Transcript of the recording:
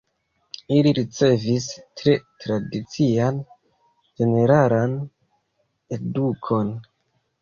Ili ricevis tre tradician ĝeneralan edukon.